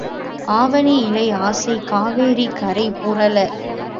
ஆவணி இலை அசையக் காவேரி கரை புரள.